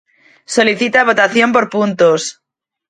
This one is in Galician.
Solicita a votación por puntos.